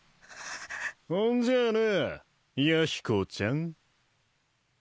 ほんじゃあな弥彦ちゃん。